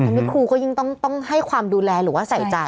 อันนี้ครูก็ยิ่งต้องให้ความดูแลหรือว่าใส่ใจ